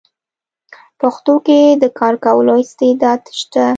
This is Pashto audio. پښتو کې د کار کولو استعداد شته: